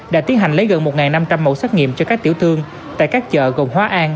đã tiến hành lấy gần một năm trăm linh mẫu xét nghiệm cho các tiểu thương tại các chợ gồm hóa an